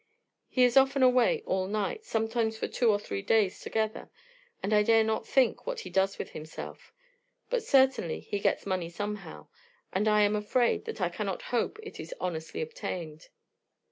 He is often away all night, sometimes for two or three days together, and I dare not think what he does with himself; but certainly he gets money somehow, and I am afraid that I cannot hope it is honestly obtained."